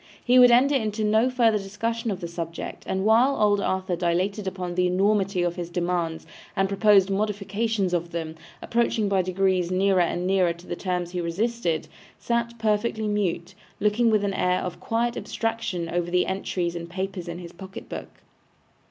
He would enter into no further discussion of the subject, and while old Arthur dilated upon the enormity of his demands and proposed modifications of them, approaching by degrees nearer and nearer to the terms he resisted, sat perfectly mute, looking with an air of quiet abstraction over the entries and papers in his pocket book.